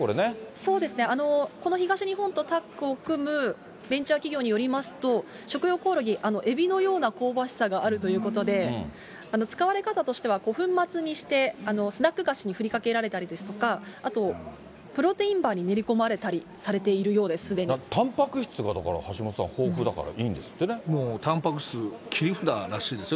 そうですね、この東日本とタッグを組むベンチャー企業によりますと、食用コオロギ、エビのような香ばしさがあるということで、使われ方としては粉末にしてスナック菓子に振りかけられたりですとか、あとプロテインバーに練り込まれたりされているようです、たんぱく質がだから、橋下さもうたんぱく質、切り札らしいですよ。